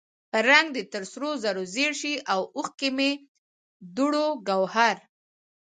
رنګ دې تر سرو زرو زیړ شي او اوښکې مې دُر و ګوهر.